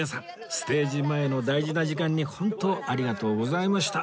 ステージ前の大事な時間にホントありがとうございました